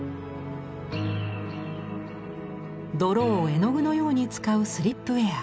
泥を絵の具のように使うスリップウェア。